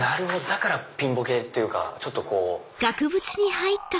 だからピンボケっていうかちょっとこうはぁ！